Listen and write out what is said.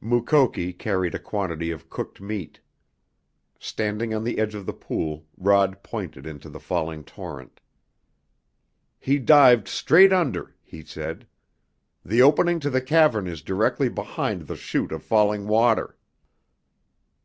Mukoki carried a quantity of cooked meat. Standing on the edge of the pool Rod pointed into the falling torrent. "He dived straight under," he said. "The opening to the cavern is directly behind the shoot of falling water."